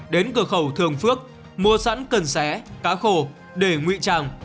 đến cửa khẩu thường phước mua sẵn cần xé cá khô để ngụy trang